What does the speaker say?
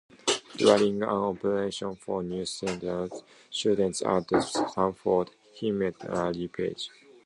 During an orientation for new students at Stanford, he met Larry Page.